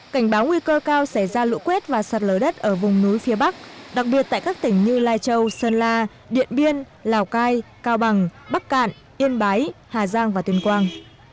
cảnh báo nguy cơ cao xảy ra lũ quét và sạt lở đất ở vùng núi phía bắc đặc biệt tại các tỉnh như lai châu sơn la điện biên lào cai cao bằng bắc cạn yên bái hà giang và tuyên quang